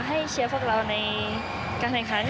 เชียร์พวกเราในการแข่งขัน